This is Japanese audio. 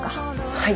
はい。